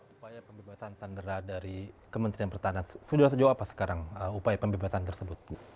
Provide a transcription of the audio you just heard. upaya pembebasan sandera dari kementerian pertahanan sudah sejauh apa sekarang upaya pembebasan tersebut bu